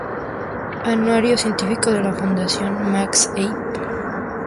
Anuario científico de la Fundación Max Aub".